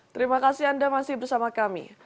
terima kasih anda masih bersama kami